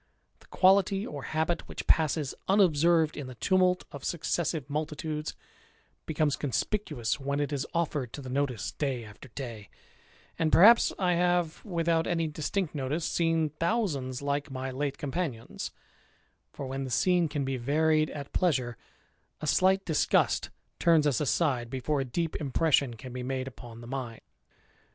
The quality or habit which passes unobserved in the tumult of successive multitudes, becomes conspicuous when it is offered to the notice day after day ; and perhaps I have, without any distinct notice, seen thousands like my late companions ; for, when the scene can be varied at pleasure, a slight disgust turns us aside before a deep impression can be made upon the mind.